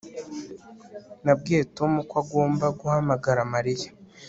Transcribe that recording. Nabwiye Tom ko agomba guhamagara Mariya